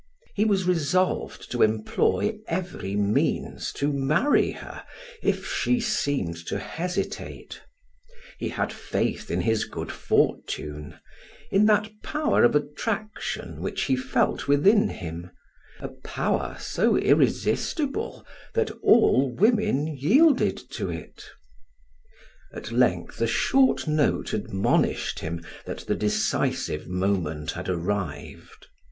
He was resolved to employ every means to marry her if she seemed to hesitate; he had faith in his good fortune, in that power of attraction which he felt within him a power so irresistible that all women yielded to it. At length a short note admonished him that the decisive moment had arrived.